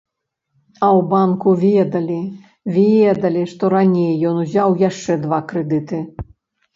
А ў банку ведалі, ведалі, што раней ён узяў яшчэ два крэдыты.